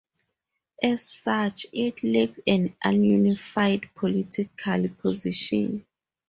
As such, it lacked a unified political position.